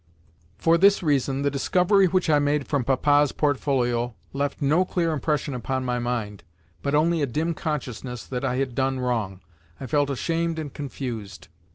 For this reason, the discovery which I made from Papa's portfolio left no clear impression upon my mind, but only a dim consciousness that I had done wrong. I felt ashamed and confused.